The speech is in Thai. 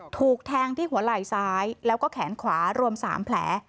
ถูกแทงที่หัวไหล่ซ้ายแล้วก็แขนขวารวม๓แผล